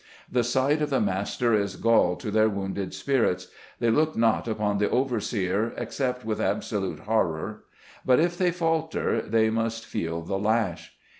The sight of the mas ter is gall to their wounded spirits ; they look not upon the overseer except with absolute horror ; but if they falter, they must feel the lash.